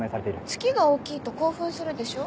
月が大きいと興奮するでしょ？